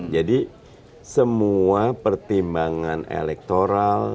jadi semua pertimbangan elektoral